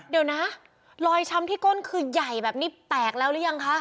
เดี๋ยวนะรอยช้ำที่ก้นคือใหญ่แบบนี้แตกแล้วหรือยังคะ